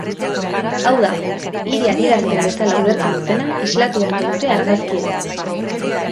Hau da, hiri adierazpen bezala ulertzen dutena islatu beharko dute argazkietan.